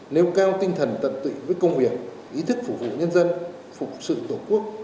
nêu cao tinh thần tận tụy với công việc ý thức phục vụ nhân dân phục sự tổ quốc